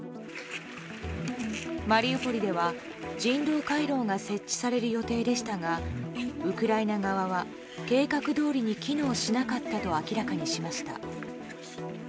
マリウポリでは人道回廊が設置される予定でしたがウクライナ側は計画どおりに機能しなかったと明らかにしました。